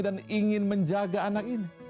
dan ingin menjaga anak ini